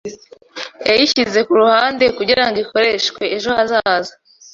Yayishyize kuruhande kugirango ikoreshwe ejo hazaza.